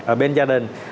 ở bên gia đình